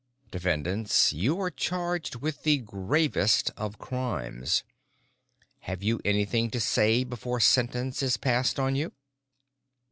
Defendants, you are charged with the gravest of crimes. Have you anything to say before sentence is passed on you?"